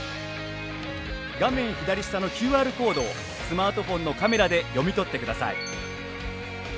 画面左下のＱＲコードをスマートフォンのカメラで読み取ってください。